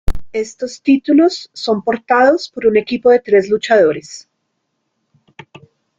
Estos títulos son portados por un equipo de tres luchadores.